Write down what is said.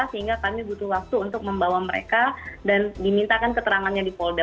sehingga kami butuh waktu untuk membawa mereka dan dimintakan keterangannya di polda